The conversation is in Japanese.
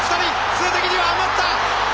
数的には余った！